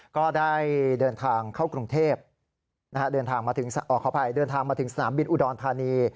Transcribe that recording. ก็ได้เดินทางเข้ากรุงเทพฯเดินทางมาถึงสนามบินอุดรธานี